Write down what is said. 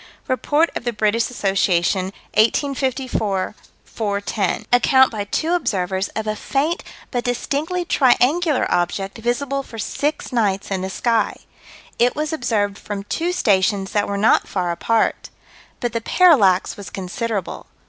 Rept. Brit. Assoc., 1854 410: Account by two observers of a faint but distinctly triangular object, visible for six nights in the sky. It was observed from two stations that were not far apart. But the parallax was considerable.